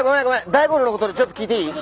大五郎の事でちょっと聞いていい？